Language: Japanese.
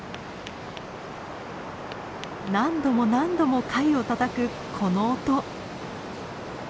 何度も何度も貝をたたくこの音。